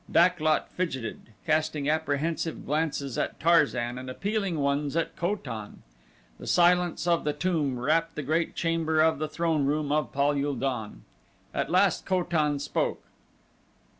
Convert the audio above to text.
Dak lot fidgeted, casting apprehensive glances at Tarzan and appealing ones at Ko tan. The silence of the tomb wrapped the great chamber of the throneroom of Pal ul don. At last Ko tan spoke.